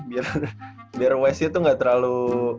biar westnya tuh gak terlalu